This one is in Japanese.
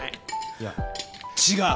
いや違う！